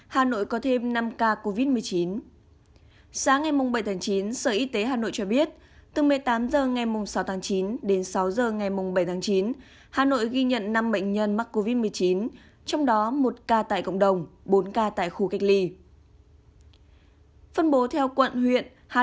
hãy đăng ký kênh để ủng hộ kênh của chúng mình nhé